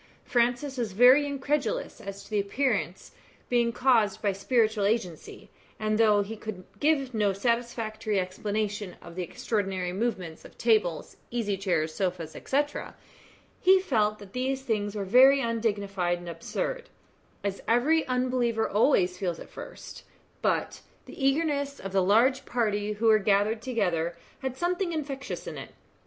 Francis was very incredulous as to the appearances being caused by spiritual agency, and though he could give no satisfactory explanation of the extraordinary movements of tables, easy chairs, sofas, &c., he felt that these things were very undignified and absurd, as every unbeliever always feels at first; but the eagerness of the large party who were gathered together had something infectious in it.